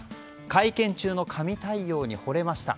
会見中の神対応にほれました。